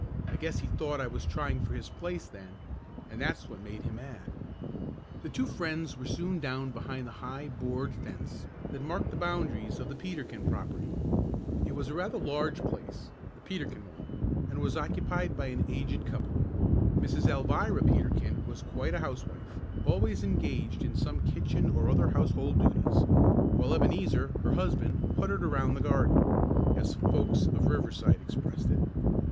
I guess he thought I was trying for his place then, and that's what made him mad." The two friends were soon down behind the high board fence that marked the boundaries of the Peterkin property. It was rather a large place the Peterkin one and was occupied by an aged couple. Mrs. Alvirah Peterkin was quite a housewife, always engaged in some kitchen or other household duties, while Ebenezer, her husband "puttered" around the garden, as the folks of Riverside expressed it.